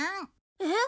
えっ？